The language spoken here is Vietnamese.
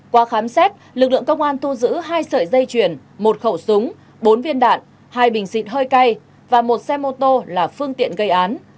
qua khám xét lực lượng công an thu giữ hai sợi dây chuyền một khẩu súng bốn viên đạn hai bình xịt hơi cay và một xe mô tô là phương tiện gây án